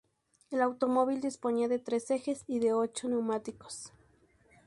El automóvil disponía de tres ejes y de ocho neumáticos.